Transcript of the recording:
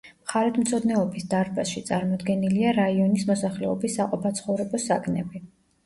მხარეთმცოდნეობის დარბაზში წარმოდგენილია რაიონის მოსახლეობის საყოფაცხოვრებო საგნები.